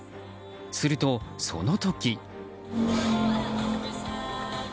すると、その時。